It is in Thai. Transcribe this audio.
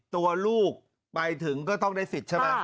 ตัวลูกไปถึงก็ต้องได้สิทธิ์ใช่ไหม